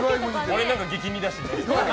俺なんか激似だし。